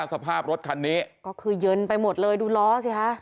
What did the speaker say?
สภาพรถคันนี้ก็คือเย็นไปหมดเลยดูล้อสิคะ